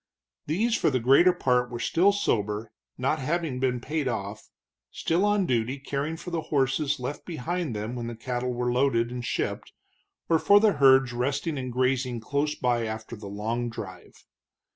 These for the greater part were still sober, not having been paid off, still on duty caring for the horses left behind them when the cattle were loaded and shipped, or for the herds resting and grazing close by after the long drive.